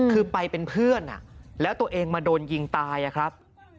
คือไปเป็นเพื่อนแล้วตัวเองมาโดนยิงตายอะครับ